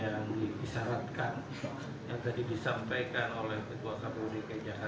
assalamu'alaikum warahmatullahi wabarakatuh